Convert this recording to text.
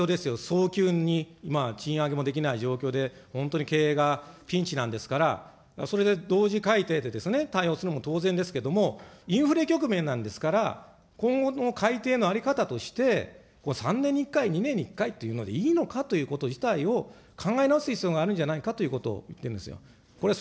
早急に、賃上げもできない状況で、本当に経営がピンチなんですから、それで同時改定で対応するのも当然ですけれども、インフレ局面なんですから、今後の改定の在り方として、３年に１回、２年に１回というのでいいのかということ自体を考え直す必要があるんじゃないかということを言ってるんですよ。